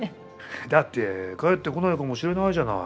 だって帰ってこないかもしれないじゃない？